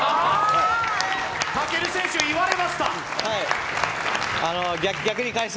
武尊選手、言われました。